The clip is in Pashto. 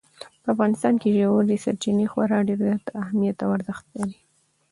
په افغانستان کې ژورې سرچینې خورا ډېر زیات اهمیت او ارزښت لري.